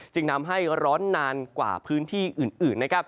จึงทำให้ร้อนนานกว่าพื้นที่อื่นนะครับ